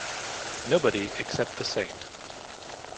Nobody, except the saint.